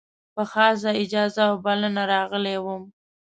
په خاصه اجازه او بلنه راغلی وم.